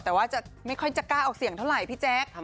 แต่ว่าจะไม่ค่อยจะกล้าออกเสียงเท่าไหร่พี่แจ๊ค